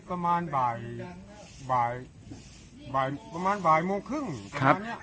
ประมาณบ่ายบ่ายประมาณบ่ายโมงครึ่งครับ